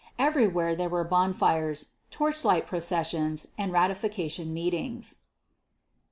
Everywhere there were bonfires, torchlight processions, and ratification meetings.